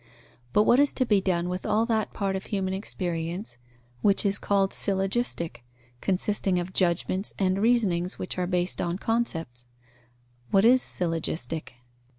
But what is to be done with all that part of human experience which is called syllogistic, consisting of judgments and reasonings which are based on concepts. What is syllogistic?